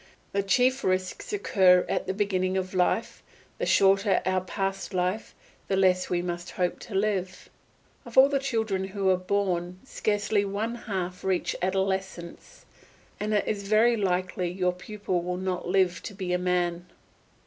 The chief risks occur at the beginning of life; the shorter our past life, the less we must hope to live. Of all the children who are born scarcely one half reach adolescence, and it is very likely your pupil will not live to be a man.